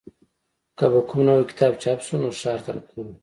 که به کوم نوی کتاب چاپ شو نو ښار ته تللو